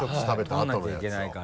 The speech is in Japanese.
撮らなきゃいけないから。